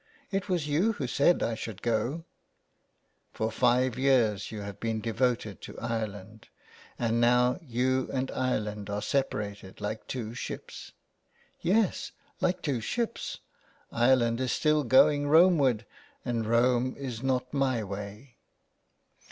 It was you who said that I should go." " For five years you have been devoted to Ireland, and now you and Ireland are separated like two ships." " Yes, like two ships. Ireland is still going Rome ward, and Rome is not my way."